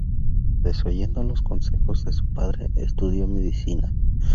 Desoyendo los consejos de su padre estudió medicina.